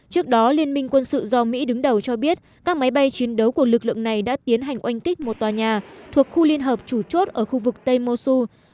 trước đó liên minh quân sự do mỹ đứng đầu cho biết các máy bay chiến đấu của lực lượng này đã tiến hành oanh kích một tòa nhà thuộc khu liên hợp chủ chốt ở khu vực tây musu